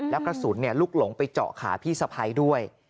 แล้วกระสุนลูกหลงไปเจาะขาพี่สะพ้ายด้วย